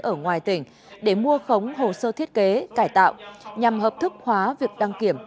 ở ngoài tỉnh để mua khống hồ sơ thiết kế cải tạo nhằm hợp thức hóa việc đăng kiểm